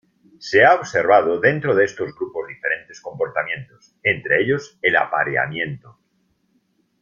Se ha observado dentro de estos grupos diferentes comportamientos, entre ellos el apareamiento.